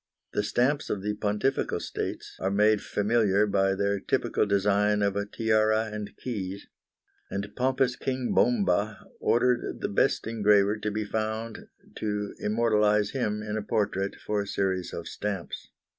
The stamps of the Pontifical States are made familiar by their typical design of a tiara and keys, and pompous King Bomba ordered the best engraver to be found to immortalise him in a portrait for a series of stamps.